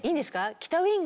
『北ウイング』。